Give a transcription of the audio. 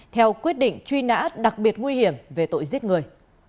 theo quyết định truy nã đặc biệt nguy hiểm về tội giết người